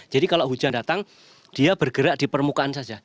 jadi kalau hujan datang dia bergerak di permukaan saja